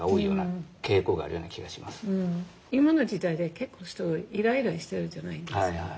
今の時代で結構人いらいらしてるじゃないですか。